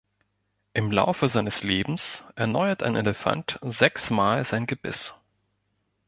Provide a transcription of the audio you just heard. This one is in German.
Im Laufe seines Lebens erneuert ein Elefant sechs Mal sein Gebiss.